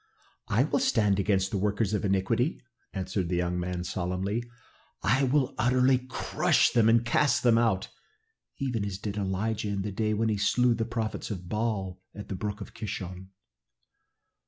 '" "I will stand against the workers of iniquity," answered the young man solemnly. "I will utterly crush them and cast them out, even as did Elijah in the day when he slew the prophets of Baal at the brook Kishon."